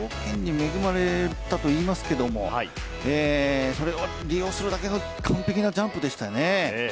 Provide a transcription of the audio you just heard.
条件に恵まれたといいますけれども、それを利用するだけの完璧なジャンプでしたよね。